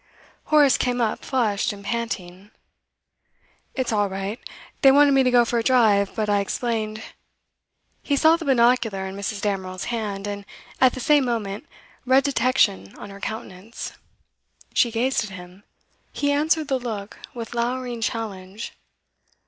Horace came up flushed and panting. 'It's all right. They wanted me to go for a drive, but I explained ' He saw the binocular in Mrs. Damerel's hand, and at the same moment read detection on her countenance. She gazed at him; he answered the look with lowering challenge.